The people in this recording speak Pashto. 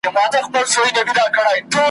د مشاعرې مشر، ارواښاد سېلاب ساپي `